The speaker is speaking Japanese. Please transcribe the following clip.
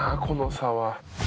この差は」